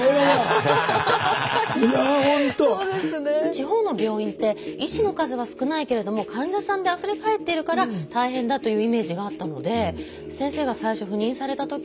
地方の病院って医師の数は少ないけれども患者さんであふれ返ってるから大変だというイメージがあったので先生が最初赴任された時に患者が少ないというのがまず意外でした。